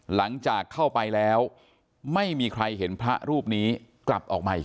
หลังจากเข้าไปแล้วไม่มีใครเห็นพระรูปนี้กลับออกมาอีก